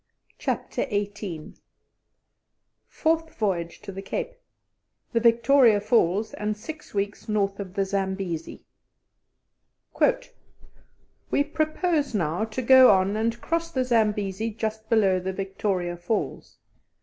CHAPTER XVIII FOURTH VOYAGE TO THE CAPE THE VICTORIA FALLS AND SIX WEEKS NORTH OF THE ZAMBESI "We propose now to go on and cross the Zambesi just below the Victoria Falls.